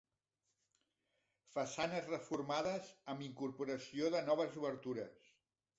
Façanes reformades amb incorporació de noves obertures.